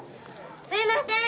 すいません